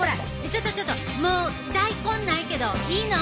ちょっとちょっともう大根ないけどいいの？